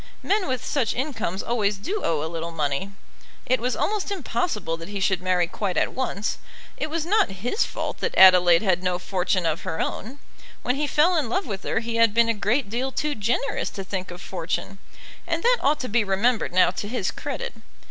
Men with such incomes always do owe a little money. It was almost impossible that he should marry quite at once. It was not his fault that Adelaide had no fortune of her own. When he fell in love with her he had been a great deal too generous to think of fortune, and that ought to be remembered now to his credit.